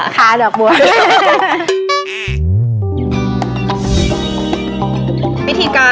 มีดอกบัวทั้งหมดกี่ประเภทคะ